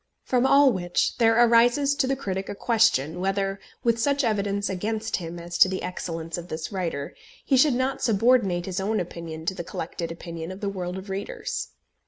From all which, there arises to the critic a question whether, with such evidence against him as to the excellence of this writer, he should not subordinate his own opinion to the collected opinion of the world of readers.